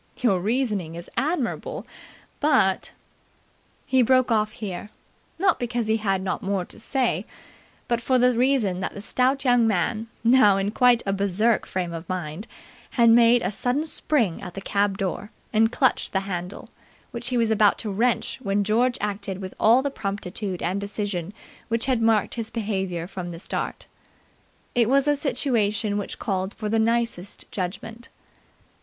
"Your reasoning is admirable, but " He broke off here, not because he had not more to say, but for the reason that the stout young man, now in quite a Berserk frame of mind, made a sudden spring at the cab door and clutched the handle, which he was about to wrench when George acted with all the promptitude and decision which had marked his behaviour from the start. It was a situation which called for the nicest judgment.